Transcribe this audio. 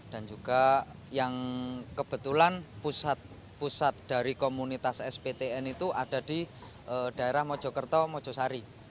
dan juga yang kebetulan pusat pusat dari komunitas sptn itu ada di daerah mojokerto mojosari